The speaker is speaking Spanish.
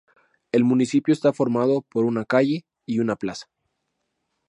El municipio está formado por una calle y una plaza.